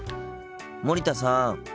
森田さん。